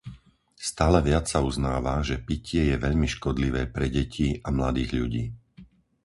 Stále viac sa uznáva, že pitie je veľmi škodlivé pre deti a mladých ľudí.